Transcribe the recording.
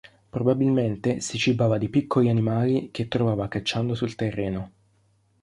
Probabilmente si cibava di piccoli animali che trovava cacciando sul terreno.